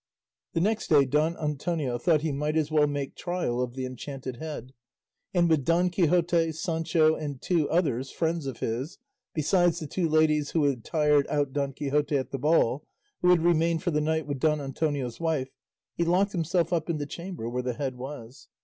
The next day Don Antonio thought he might as well make trial of the enchanted head, and with Don Quixote, Sancho, and two others, friends of his, besides the two ladies that had tired out Don Quixote at the ball, who had remained for the night with Don Antonio's wife, he locked himself up in the chamber where the head was.